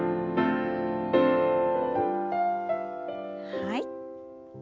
はい。